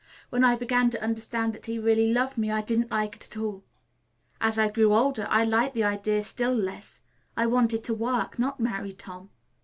When I began to understand that he really loved me, I didn't like it at all. As I grew older I liked the idea still less. I wanted to work; not marry Tom.